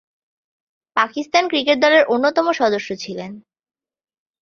Pakistan cricket দলের অন্যতম সদস্য ছিলেন।